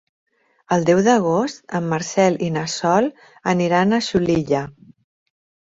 El deu d'agost en Marcel i na Sol aniran a Xulilla.